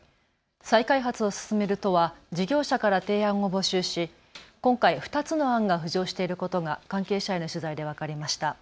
再開発を進める都は事業者から提案を募集し、今回２つの案が浮上していることが関係者への取材で分かりました。